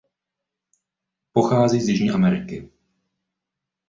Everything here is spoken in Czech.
Pochází z Jižní Ameriky.